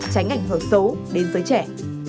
tránh ảnh hưởng xấu đến giới trẻ